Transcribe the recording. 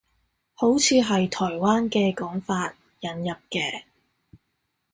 好似係台灣嘅講法，引入嘅